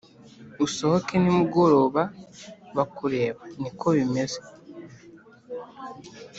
usohoke nimugoroba bakureba niko bimeze